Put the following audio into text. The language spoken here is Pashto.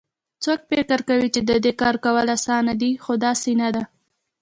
څوک فکر کوي چې د دې کار کول اسان دي خو داسي نه ده